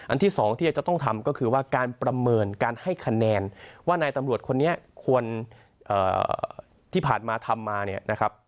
ที่สองที่จะต้องทำก็คือว่าการประเมินการให้คะแนนว่านายตำรวจคนนี้ควรที่ผ่านมาทำมาเนี่ยนะครับ